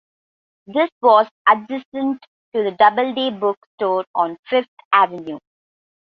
This was adjacent to the Doubleday Book Store on Fifth Avenue.